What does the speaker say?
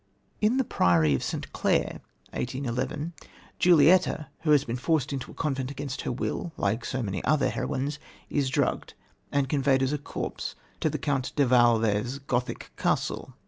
In The Priory of St. Clair (1811), Julietta, who has been forced into a convent against her will, like so many other heroines, is drugged and conveyed as a corpse to the Count de Valvé's Gothic castle.